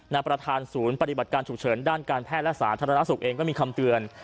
ประธานศูนย์ปฏิบัติการฉุกเฉินด้านการแพทย์และสาธารณสุขเองก็มีคำเตือน